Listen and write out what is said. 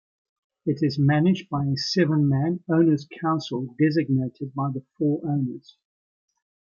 It is managed by a seven-man Owner's Council designated by the four owners.